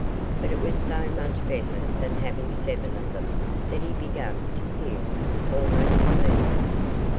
But it was so much better than having seven of them that he began to feel almost pleased.